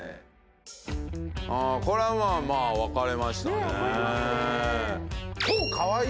これはまあまあ分かれましたね。